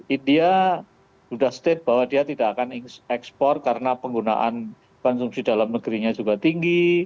india sudah state bahwa dia tidak akan ekspor karena penggunaan konsumsi dalam negerinya juga tinggi